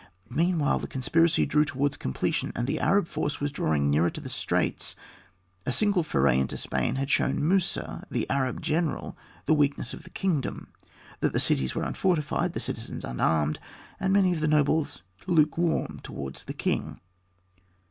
Meanwhile the conspiracy drew towards completion, and the Arab force was drawing nearer to the straits. A single foray into Spain had shown Musa, the Arab general, the weakness of the kingdom; that the cities were unfortified, the citizens unarmed, and many of the nobles lukewarm towards the king.